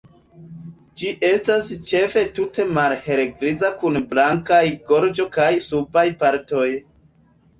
Ĝi estas ĉefe tute malhelgriza kun blankaj gorĝo kaj subaj partoj.